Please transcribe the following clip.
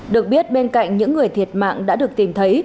được biết bên cạnh những người thiệt mạng đã được tìm thấy